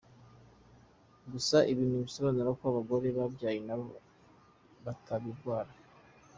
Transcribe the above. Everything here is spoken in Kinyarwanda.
Gusa ibi ntibisobanura ko abagore babyaye nabo batabirwara.